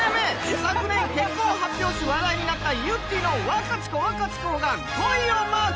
昨年結婚を発表し話題になったゆってぃの「ワカチコワカチコ」が５位をマーク。